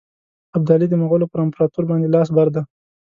ابدالي د مغولو پر امپراطور باندي لاس بر دی.